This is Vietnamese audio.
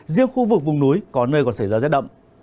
riêng khu vực vùng núi có nơi còn xảy ra rét đậm